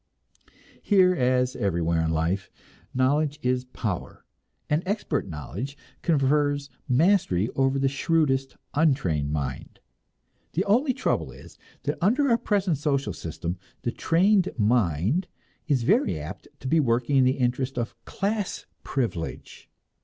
Here, as everywhere in life, knowledge is power, and expert knowledge confers mastery over the shrewdest untrained mind. The only trouble is that under our present social system the trained mind is very apt to be working in the interest of class privilege.